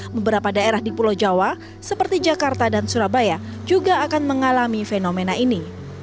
beberapa daerah di pulau jawa seperti jakarta dan surabaya juga akan mengalami fenomena ini